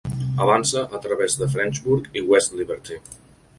Avança a través de Frenchburg i West Liberty.